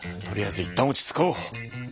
とりあえずいったん落ち着こう。